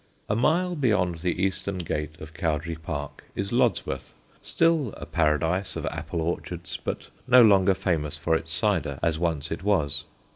A mile beyond the eastern gate of Cowdray Park is Lodsworth, still a paradise of apple orchards, but no longer famous for its cider as once it was.